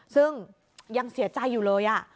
ซึ่งยังเสียใจอยู่เลย